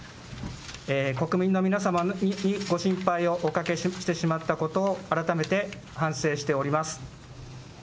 国民の皆様にご心配をおかけしてしまったことを改めて反省しております。